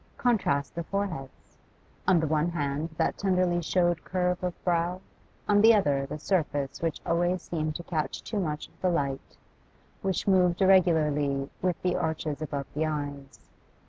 Contrast the foreheads; on the one hand that tenderly shadowed curve of brow, on the other the surface which always seemed to catch too much of the light, which moved irregularly with the arches above the eyes.